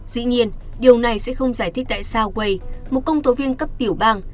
dĩ nhiên điều này sẽ không giải thích tại sao quây một công tố viên cấp tiểu bang